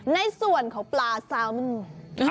ในส่วนของปลาซาวมัน